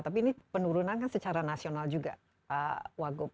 tapi ini penurunan kan secara nasional juga pak wagub